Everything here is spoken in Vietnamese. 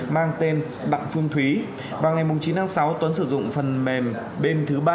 mang tên đặng phương thúy vào ngày chín tháng sáu tuấn sử dụng phần mềm bên thứ ba